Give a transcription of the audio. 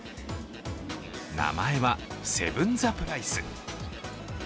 名前はセブン・ザ・プライス。